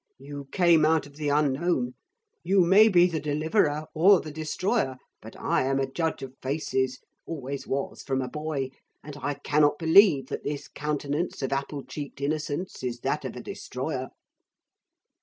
You came out of the unknown. You may be the Deliverer or the Destroyer. But I am a judge of faces always was from a boy and I cannot believe that this countenance of apple cheeked innocence is that of a Destroyer.'